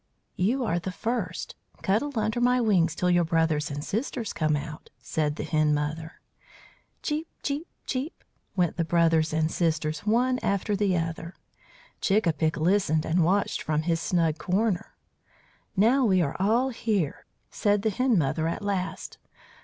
"You are the first. Cuddle under my wings till your brothers and sisters come out," said the Hen Mother. "Cheep! cheep! cheep!" went the brothers and sisters one after the other. Chick a pick listened and watched from his snug corner. "Now we are all here," said the Hen Mother at last.